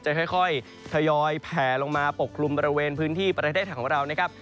จะค่อยทยอยแผ่ลงมาปกคลุมบริเวณพื้นที่ประเทศไทยของเรานะครับ